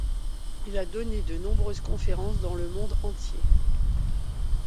Il a donné de nombreuses conférences dans le monde entier.